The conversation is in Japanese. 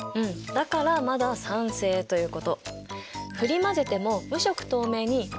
だからまだ酸性ということ。